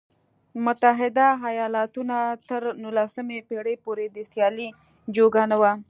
متحده ایالتونه تر نولسمې پېړۍ پورې د سیالۍ جوګه نه و.